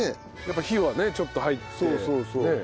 やっぱ火はねちょっと入ってね。